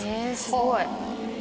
すごい！